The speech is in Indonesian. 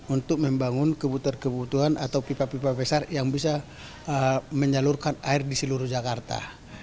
untuk membangun kebutuhan atau pipa pipa besar yang bisa menyalurkan air di seluruh jakarta